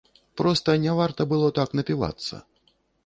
Проста не варта было так напівацца.